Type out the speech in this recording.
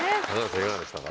いかがでしたか？